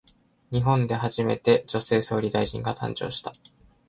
日本で初めて、女性総理大臣が誕生した。